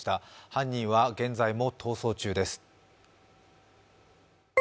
犯人は現在も逃走中です。